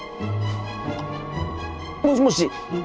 もしもし？